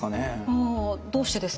あどうしてですか？